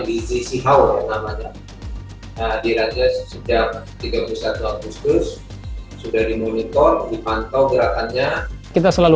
di sisi haw namanya hadirannya sejak tiga puluh satu agustus sudah dimonitor dipantau gerakannya kita selalu